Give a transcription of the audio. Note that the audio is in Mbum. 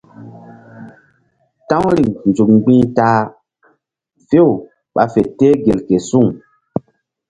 Ta̧w riŋ nzuk mgbi̧h ta a few ɓa fe teh gel ke suŋ.